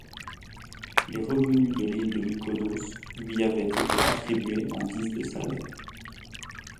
Les revenus de l'île de Mykonos lui avait été attribués en guise de salaire.